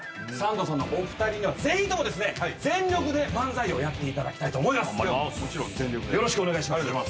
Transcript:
サンドさんのお二人にはぜひともですね全力で漫才をやっていただきたいと思います。